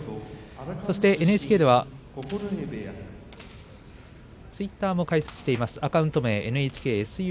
ＮＨＫではツイッターも開設しています。